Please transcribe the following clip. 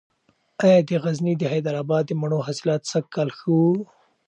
ایا د غزني د حیدر اباد د مڼو حاصلات سږکال ښه و؟